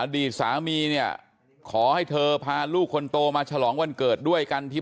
อดีตสามีเนี่ยขอให้เธอพาลูกคนโตมาฉลองวันเกิดด้วยกันที่